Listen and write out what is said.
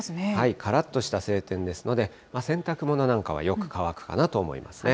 からっとした晴天ですので、洗濯物なんかはよく乾くかなと思いますね。